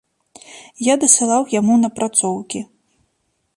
Я дасылаў яму напрацоўкі.